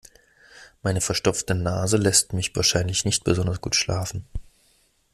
Meine verstopfte Nase lässt mich wahrscheinlich nicht besonders gut schlafen.